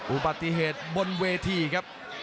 อุบัติเหตุบนเวทีครับ